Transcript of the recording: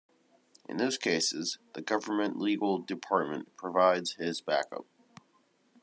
In those cases the Government Legal Department provides his back-up.